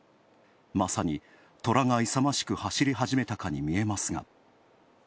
まさに寅が勇ましく走り始めたかに見えますが。